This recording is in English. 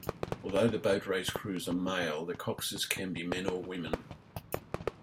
Although The Boat Race crews are male, the coxes can be men or women.